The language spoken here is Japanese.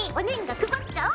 配っちゃおう。